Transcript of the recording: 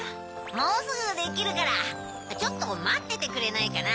もうすぐできるからちょっとまっててくれないかな。